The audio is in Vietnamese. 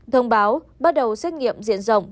thông báo bắt đầu xét nghiệm diện rộng